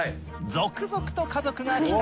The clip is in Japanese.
続々と家族が帰宅。